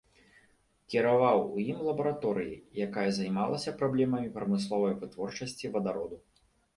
Кіраваў у ім лябараторыяй, якая займалася праблемамі прамысловай вытворчасці вадароду.